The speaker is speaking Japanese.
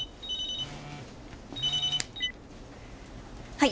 はい。